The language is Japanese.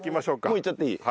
もういっちゃっていい？